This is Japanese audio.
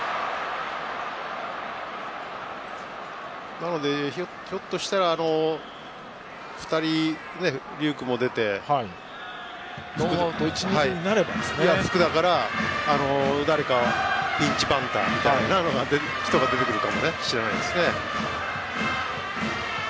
なので、ひょっとしたら龍空も出れば福田から、誰かピンチバンターみたいな人が出てくるかもしれないですね。